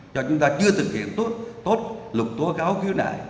cho chúng ta chưa thực hiện tốt lục tố cáo khiếu nải